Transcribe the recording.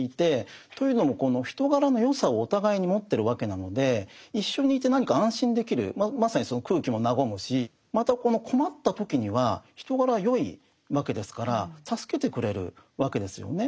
というのもこの人柄の善さをお互いに持ってるわけなので一緒にいて何か安心できるまさにその空気も和むしまたこの困った時には人柄は善いわけですから助けてくれるわけですよね。